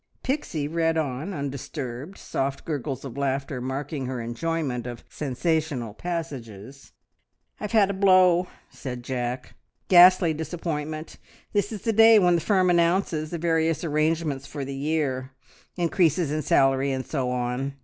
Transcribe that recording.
Pixie read on undisturbed, soft gurgles of laughter marking her enjoyment of sensational passages. "I've had a blow," said Jack, "a ghastly disappointment! This is the day when the firm announces the various arrangements for the year, increases in salary and so on.